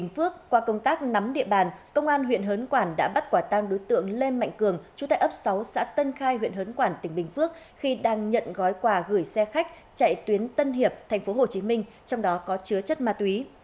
cơ quan huyện hớn quản đã bắt quả tăng đối tượng lê mạnh cường chú tại ấp sáu xã tân khai huyện hớn quản tỉnh bình phước khi đang nhận gói quà gửi xe khách chạy tuyến tân hiệp tp hcm trong đó có chứa chất ma túy